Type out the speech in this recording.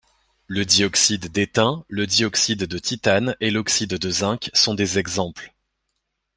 Le dioxyde d'étain, le dioxyde de titane et l'oxyde de zinc sont des exemples.